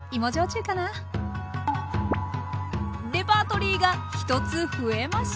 レパートリーが１つ増えました。